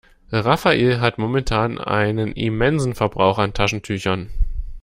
Rafael hat momentan einen immensen Verbrauch an Taschentüchern.